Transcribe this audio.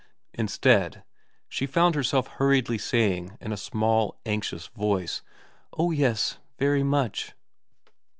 Instead, she found herself hurriedly saying in a small, anxious voice, * Oh yes very much